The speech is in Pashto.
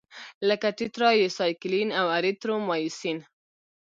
لکه ټیټرایسایکلین او اریترومایسین.